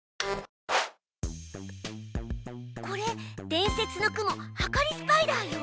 これ伝説のクモはかりスパイダーよ。